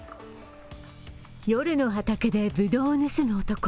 夜の畑でブドウを盗む男。